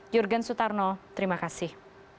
jurgen sutarno terima kasih